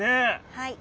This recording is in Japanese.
はい。